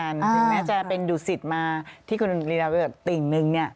อย่างแม้จะเป็นดุสิตมาที่คุณรีเอาดีก็เป็นติ่งนึง